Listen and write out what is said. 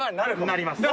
なります。